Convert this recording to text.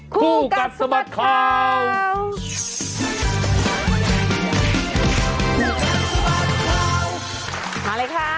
คู่กัดสมัครเข่า